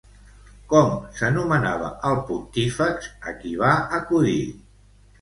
Com s'anomenava el pontífex a qui va acudir?